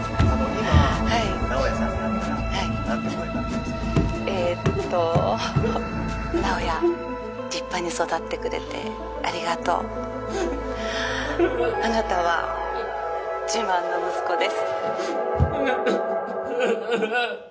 今直哉さんに会ったら何て声かけえっと直哉立派に育ってくれてありがとうあなたは自慢の息子です